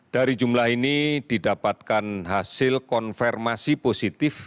dari jumlah ini didapatkan hasil konfirmasi positif